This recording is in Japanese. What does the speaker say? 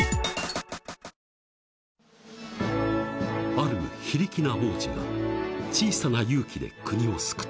［ある非力な王子が小さな勇気で国を救った］